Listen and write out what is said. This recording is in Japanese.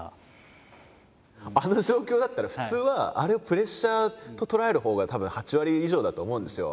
あの状況だったら普通はあれをプレッシャーと捉えるほうがたぶん８割以上だと思うんですよ。